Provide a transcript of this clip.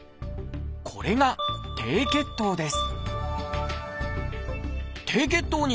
これが「低血糖」です